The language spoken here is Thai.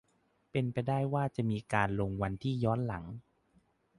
เป็นไปได้ว่าจะมีการลงวันที่ย้อนหลัง